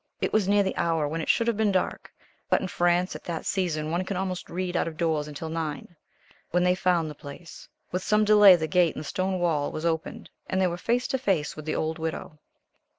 It was near the hour when it should have been dark but in France at that season one can almost read out of doors until nine when they found the place. With some delay the gate in the stone wall was opened, and they were face to face with the old widow.